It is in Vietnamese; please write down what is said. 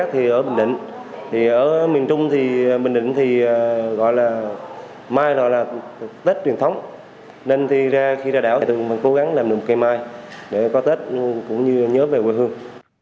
tết truyền thống nên khi ra đảo mình cố gắng làm được một cây mai để có tết cũng như nhớ về quê hương